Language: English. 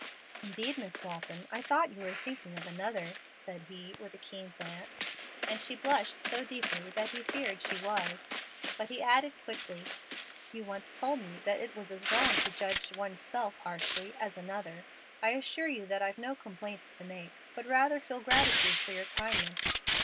"Indeed, Miss Walton, I thought you were thinking of another," said he, with a keen glance, and she blushed so deeply that he feared she was; but he added, quickly, "You once told me that it was as wrong to judge one's self harshly as another. I assure you that I've no complaints to make, but rather feel gratitude for your kindness.